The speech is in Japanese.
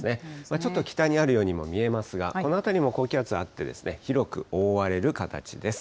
ちょっと北にあるようにも見えますが、この辺りも高気圧があって、広く覆われる形です。